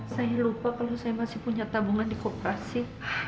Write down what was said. saya lupa kalau saya masih punya tabungan di kooperasi